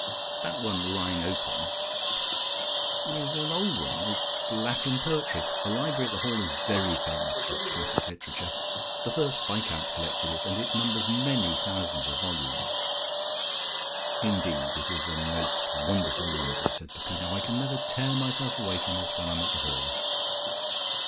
That one lying open is an old one. It is Latin poetry. The library at The Hall is very famous for its classical literature. The first Viscount collected it, and it numbers many thousands of volumes." "Indeed, it is the most wonderful library," said Peppino. "I can never tear myself away from it, when I am at The Hall."